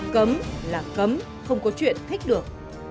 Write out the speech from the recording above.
cấm là cấm không có chuyện thích được